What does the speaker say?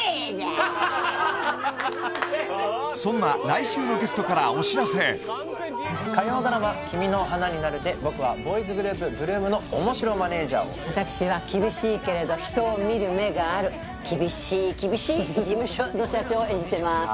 そんな来週のゲストからお知らせ火曜ドラマ「君の花になる」で僕はボーイズグループ８ＬＯＯＭの面白マネージャーを私は厳しいけれど人を見る目がある厳しい厳しい事務所の社長を演じてます